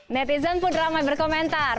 netizen pun ramai berkomentar